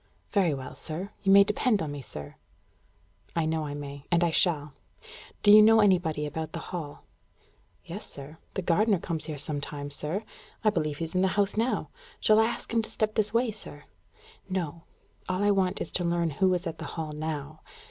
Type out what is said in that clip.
"Very well, sir. You may depend on me, sir." "I know I may, and I shall. Do you know anybody about the Hall?" "Yes, sir. The gardener comes here sometimes, sir. I believe he's in the house now. Shall I ask him to step this way, sir?" "No. All I want is to learn who is at the Hall now.